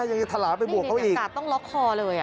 ยังจะทะลาไปบวกเขาอีกไม่ได้จัดจัดต้องล็อคคอเลย